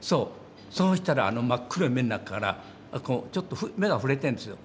そうしたらあの真っ黒い目の中からちょっと目が震えてるんですよ。